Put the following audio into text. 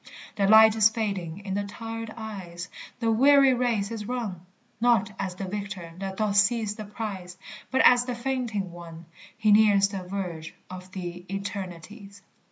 The light is fading in the tired eyes, The weary race is run; Not as the victor that doth seize the prize. But as the fainting one, He nears the verge of the eternities.